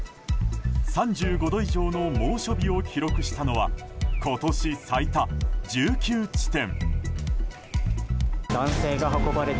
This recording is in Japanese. ３５度以上の猛暑日を記録したのは今年最多１９地点。